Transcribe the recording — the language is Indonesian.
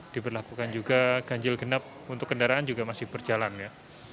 diberlakukan juga ganjil genap untuk kendaraan juga masih berjalan ya